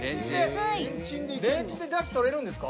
レンチンでだしとれるんですか。